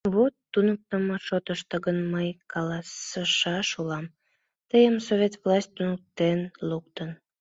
Вот туныктымо шотышто гын мый каласышаш улам: тыйым Совет власть туныктен луктын.